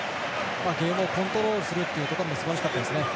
ゲームをコントロールするというところもすばらしかったですね。